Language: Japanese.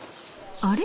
あれ？